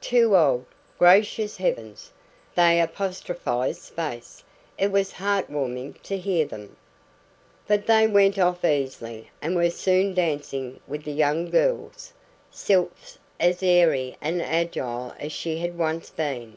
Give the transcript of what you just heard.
"Too old gracious heavens!" they apostrophised space. It was heart warming to hear them. But they went off easily, and were soon dancing with the young girls sylphs as airy and agile as she had once been.